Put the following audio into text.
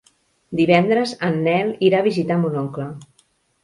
Divendres en Nel irà a visitar mon oncle.